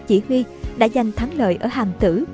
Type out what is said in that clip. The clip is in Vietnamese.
chỉ huy đã giành thắng lợi ở hàm tử